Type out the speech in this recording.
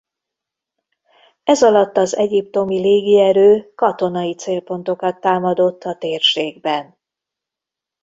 Ezalatt az egyiptomi légierő katonai célpontokat támadott a térségben.